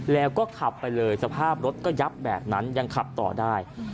แล้วก็ขับไปเลยสภาพรถก็ยับแบบนั้นยังขับต่อได้